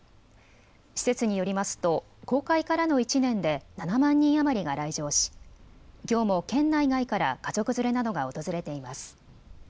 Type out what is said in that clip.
施設によりますと公開からの１年で７万人余りが来場しきょうも県内外から家族連れなどが訪れています。